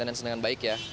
minta nansen dengan baik ya